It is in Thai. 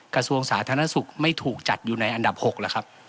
กระทรวงสาธารณสุขไม่ถูกจัดอยู่ในอันดับ๖